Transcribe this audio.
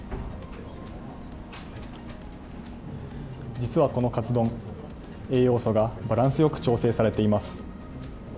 実はこのかつ丼、栄養素がバランスよく調整されています。